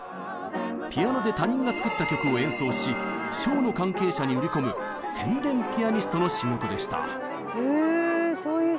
ピアノで他人が作った曲を演奏しショーの関係者に売り込む宣伝ピアニストの仕事でした。